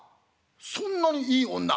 「そんなにいい女？」。